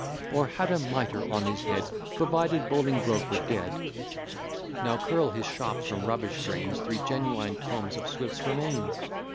Or had a mitre on his head, Provided Bolingbroke were dead!" Now Curll his shop from rubbish drains: Three genuine tomes of Swift's remains!